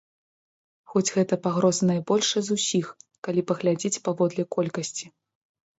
Хоць гэта пагроза найбольшая з усіх, калі паглядзець паводле колькасці.